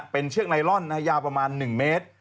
เป็นเชือกไนลอนยาวประมาณ๑เมตร